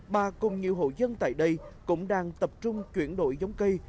bà cùng nhiều hộ dân tại đây cũng đang tập trung chuyển đổi giống cây